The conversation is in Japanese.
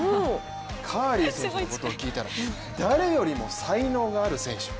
カーリー選手のことを聞いたら誰よりも才能がある選手。